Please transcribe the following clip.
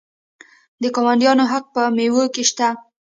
د ګاونډیانو حق په میوو کې شته.